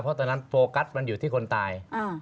เพราะตอนนั้นโฟกัสมันอยู่ที่คนตาย